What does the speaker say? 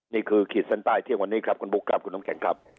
ขีดเส้นใต้เที่ยงวันนี้ครับคุณบุ๊คครับคุณน้ำแข็งครับ